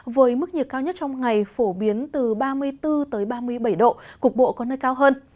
với mức nhiệt cao nhất trong ngày phổ biến từ ba mươi bốn ba mươi bảy độ cục bộ có nơi cao hơn